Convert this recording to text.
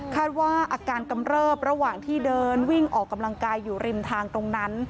ว่าอาการกำเริบระหว่างที่เดินวิ่งออกกำลังกายอยู่ริมทางตรงนั้น